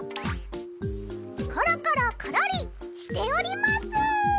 コロコロコロリしております！